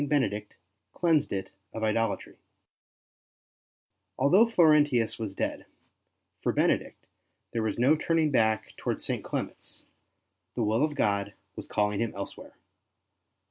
BENEDICT CLEANSED IT OF IDOLATRY Although Florentius was dead, for Benedict there was no turning back towards St. Clement's; the will of God was calling him elsewhere.